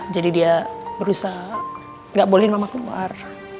jadi dia berusaha gak bolehin mama keluar